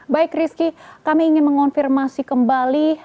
baik rizky kami ingin mengonfirmasi kembali